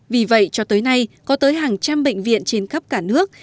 vì vậy cho tới nay có tới hàng trăm bệnh viện trên khắp cả nước